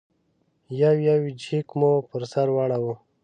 یو یو جېک مو پر سر واړاوه.